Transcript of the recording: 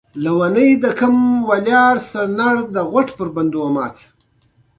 نهم لوست د شاه محمود لومړی ځل واک ته رسېدو څرنګوالی بیانوي.